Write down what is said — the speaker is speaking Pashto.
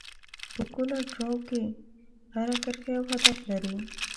په کولر ډراو کې هره کرښه یو هدف لري.